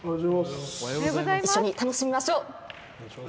一緒に楽しみましょう。